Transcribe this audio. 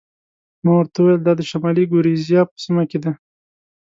ما ورته وویل: دا د شمالي ګوریزیا په سیمه کې ده.